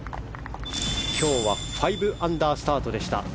今日は５アンダースタートでした。